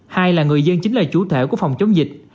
hai là người dân chính là chủ thể của phòng chống dịch